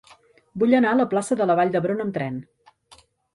Vull anar a la plaça de la Vall d'Hebron amb tren.